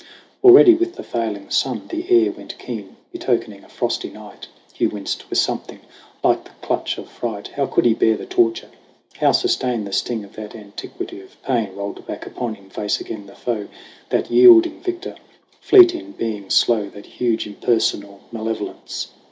Already with the failing sun the air Went keen, betokening a frosty night. Hugh winced with something like the clutch of fright. How could he bear the torture, how sustain The sting of that antiquity of pain Rolled back upon him face again the foe, That yielding victor, fleet in being slow, That huge, impersonal malevolence